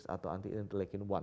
atau anti interleukin satu